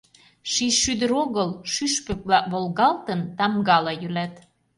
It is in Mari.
Ший шӱдыр огыл — шӱшпык-влак Волгалтын, тамгала йӱлат.